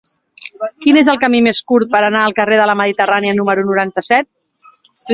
Quin és el camí més curt per anar al carrer de la Mediterrània número noranta-set?